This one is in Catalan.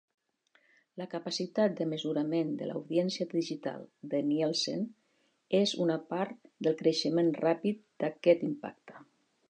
La capacitat de mesurament de l'audiència digital de Nielsen és una part del creixement ràpid d'aquest impacte.